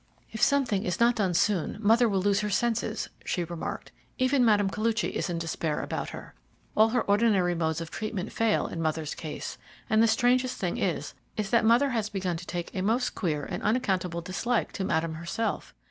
"If something is not done soon, mother will lose her senses," she remarked. "Even Mme. Koluchy is in despair about her. All her ordinary modes of treatment fail in mother's case, and the strangest thing is that mother has begun to take a most queer and unaccountable dislike to Madame herself.